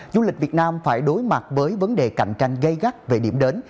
du lịch việt nam phải đối mặt với vấn đề cạnh tranh gây gắt về điểm đến